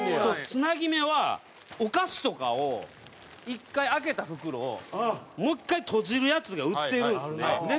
つなぎ目はお菓子とかを１回開けた袋をもう１回閉じるやつが売ってるんですね。